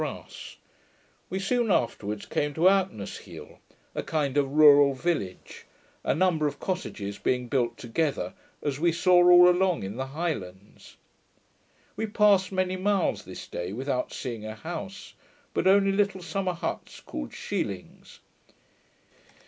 '] We soon afterwards came to Auchnasheal, a kind of rural village, a number of cottages being built together, as we saw all along in the Highlands. We passed many miles this day without seeing a house, but only little summer huts, called shielings.